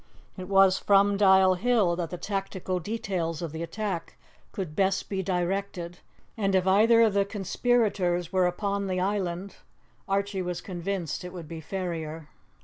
It was from Dial Hill that the tactical details of the attack could best be directed, and if either of the conspirators were upon the island, Archie was convinced it would be Ferrier.